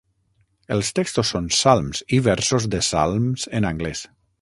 Els textos són salms i versos de salms en anglès.